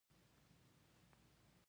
بادي انرژي د افغانستان د جغرافیې بېلګه ده.